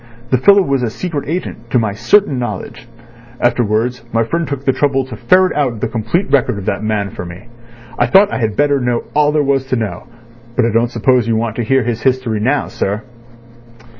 The fellow was a secret agent to my certain knowledge. Afterwards my friend took the trouble to ferret out the complete record of that man for me. I thought I had better know all there was to know; but I don't suppose you want to hear his history now, sir?"